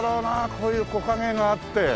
こういう木陰があって。